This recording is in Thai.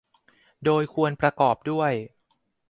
โดยควรประกอบด้วย